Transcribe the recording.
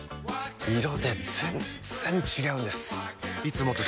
色で全然違うんです！